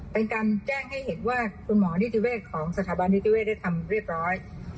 เป็นการแจ้งให้เห็นว่าคุณหมอนิติเวศของสถาบันนิติเวศได้ทำเรียบร้อย